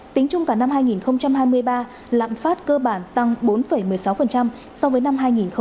tính chung cả năm hai nghìn hai mươi ba lạm phát cơ bản tăng bốn một mươi sáu so với năm hai nghìn hai mươi hai